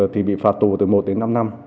thì bị phạt tù từ một đến năm năm